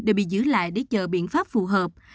đều bị giữ lại để chờ biện pháp phù hợp